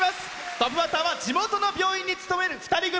トップバッターは地元の病院に勤める２人組。